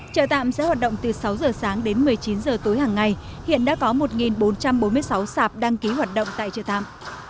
chợ tạm sẽ hoạt động từ sáu giờ sáng đến một mươi chín h tối hàng ngày hiện đã có một bốn trăm bốn mươi sáu sạp đăng ký hoạt động tại chợ tạm